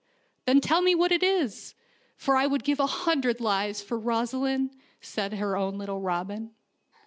" Then tell me what it is, for I would give a hundred lives for Rosaleen," said her own little robin.